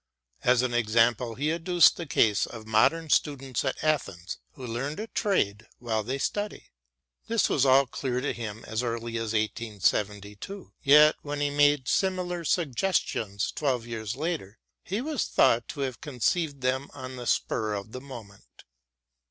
As an example he adduced the case of modern students at Athens who learn a trade while they study. This was all clear to him as early as 1872, yet when he made similar suggestions twelve years later, he was thought to have conceived them on the spur of the moment.